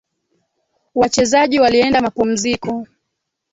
Wachezaji walienda mapumziko